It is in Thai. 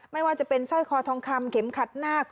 ไม่ว่าจะเป็นสร้อยคอทองคำเข็มขัดนาค